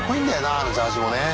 あのジャージもね。